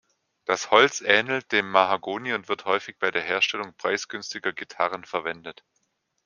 Das Holz ähnelt dem Mahagoni und wird häufig bei der Herstellung preisgünstiger Gitarren verwendet.